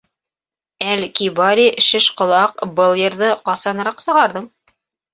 — Әл-Кибари, шеш ҡолаҡ, был йырҙы ҡасаныраҡ сығарҙың?